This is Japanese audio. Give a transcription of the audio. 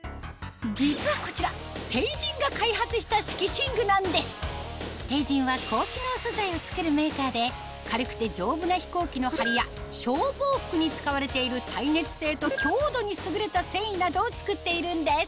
実はこちらＴＥＩＪＩＮは軽くて丈夫な飛行機のはりや消防服に使われている耐熱性と強度に優れた繊維などを作っているんです